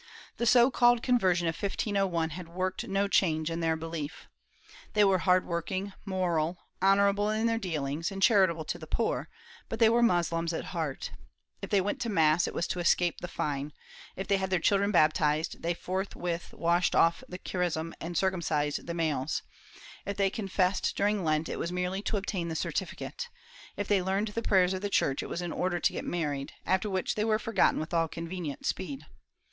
The so called conversion of 1501 had worked no change in their belief. They were hard working, moral, honorable in their dealings, and charitable to their poor, but they were Moslems at heart; if they went to mass, it was to escape the fine; if they had their children baptized, they forthwith washed off the chrism and circumcised the males; if they confessed during Lent, it was merely to obtain the certificate ; if they learned the prayers of the Church, it was in order to get married, after which they were forgotten with all convenient speed.